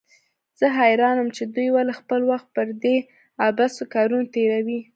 زه حيران وم چې دوى ولې خپل وخت پر دې عبثو کارونو تېروي.